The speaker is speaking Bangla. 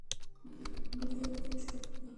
গৃহে কোনো সুখ নাই।